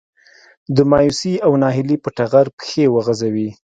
د مايوسي او ناهيلي په ټغر پښې وغځوي.